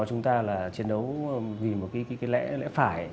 chúng ta là chiến đấu vì một cái lễ lễ phải